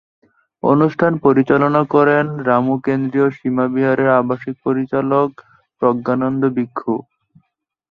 অনুষ্ঠান পরিচালনা করেন রামু কেন্দ্রীয় সীমা বিহারের আবাসিক পরিচালক প্রজ্ঞানন্দ ভিক্ষু।